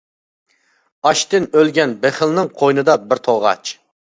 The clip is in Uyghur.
ئاچتىن ئۆلگەن بېخىلنىڭ قوينىدا بىر توغاچ.